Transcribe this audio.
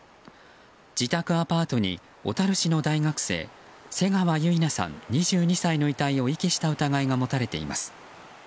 自宅アパートに、小樽市の大学生瀬川結菜さん、２２歳の遺体を遺棄した疑いが持たれています。